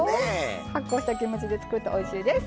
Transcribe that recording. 発酵したキムチで作るとおいしいです。